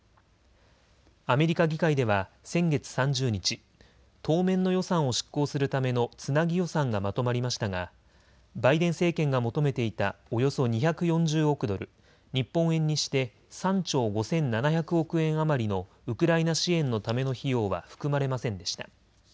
アメリカ議会では先月３０日、当面の予算を執行するためのつなぎ予算がまとまりましたがバイデン政権が求めていたおよそ２４０億ドル、日本円にして３兆５７００億円余りのウクライナ支援のための費用は含まれませんでした。